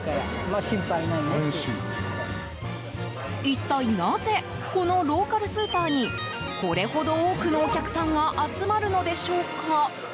一体なぜこのローカルスーパーにこれほど多くのお客さんが集まるのでしょうか？